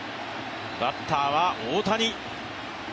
バッターは大谷。